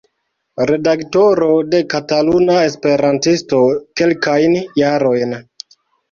Redaktoro de Kataluna Esperantisto kelkajn jarojn.